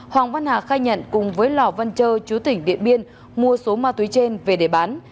hoàng văn hà khai nhận cùng với lò văn trơ chú tỉnh điện biên mua số ma túy trên về để bán